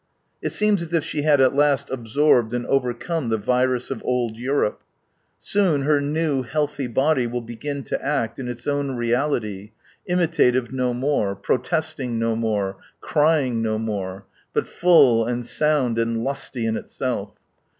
It seems as if she had at last absorbed and overcome the virus of old Europe. Soon her new, healthy body will begin to act in its own reality, imitative no more, protesting no mori, crying no more, but full and sound and lusty in itself.